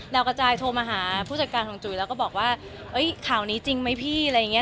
กระจายโทรมาหาผู้จัดการของจุ๋ยแล้วก็บอกว่าข่าวนี้จริงไหมพี่อะไรอย่างนี้